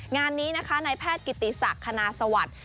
งานนี้นะคะนายแพทย์กิติศักดิ์คณาสวัสดิ์